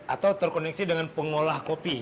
atau terkoneksi dengan pengolah kopi